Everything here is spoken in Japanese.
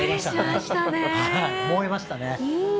燃えましたね。